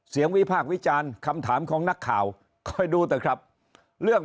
เสียงวิภาควิจารณ์คำถามของนักข่าวค่อยดูแต่ครับเรื่อง